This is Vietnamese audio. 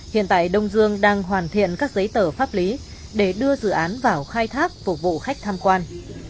hiện tại đông dương đang hoàn thiện các giấy tờ pháp lý để đưa dự án vào khai thác phục vụ khách tham quan